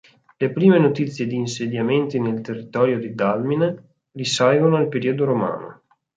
Le prime notizie di insediamenti nel territorio di Dalmine risalgono al periodo romano.